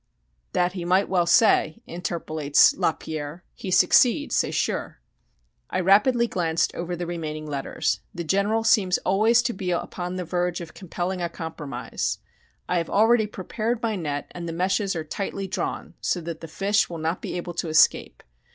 "That he might well say," interpolates Lapierre. "He succeed, c'est sure." I rapidly glanced over the remaining letters. The General seems always to be upon the verge of compelling a compromise. "I have already prepared my net and the meshes are tightly drawn so that the fish will not be able to escape....